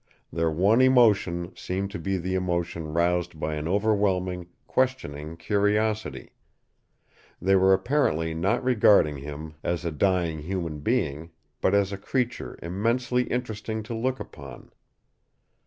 Their one emotion seemed to be the emotion roused by an overwhelming, questioning curiosity. They were apparently not regarding him as a dying human being, but as a creature immensely interesting to look upon.